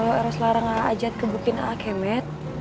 kalau eros larang a'ajat kebukin aakemit